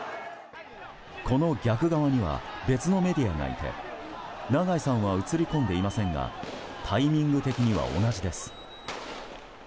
この逆側には別のメディアがいて長井さんは映り込んでいませんがタイミング的には同じです。